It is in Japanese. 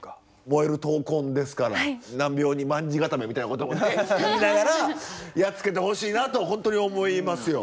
燃える闘魂ですから難病に卍固めみたいなこともね言いながらやっつけてほしいなと本当に思いますよ。